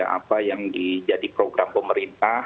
apa yang jadi program pemerintah